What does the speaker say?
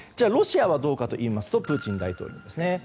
ロシアはどうかといいますとプーチン大統領ですね。